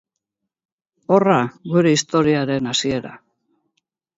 Horra gure historiaren hasiera.